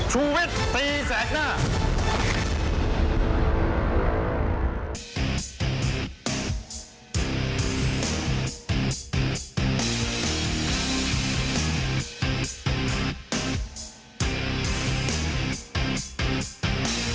ช่วงเวชตีแสดหน้า